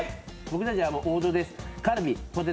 僕たちは王道です。